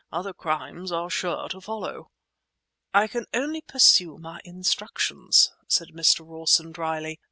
Other crimes are sure to follow." "I can only pursue my instructions," said Mr. Rawson dryly.